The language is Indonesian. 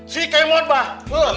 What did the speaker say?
si kemot bah